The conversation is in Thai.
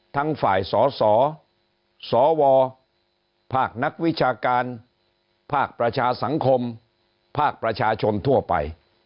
ทั้งฝ่ายสสสวภาคนักวิชาการภาคประชาสังคมภาคประชาชนทั่วไป